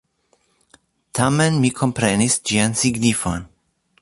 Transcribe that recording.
Tamen mi komprenis ĝian signifon.